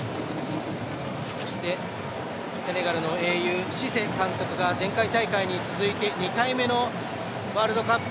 そして、セネガルの英雄シセ監督が前回大会に続いて、２回目のワールドカップ。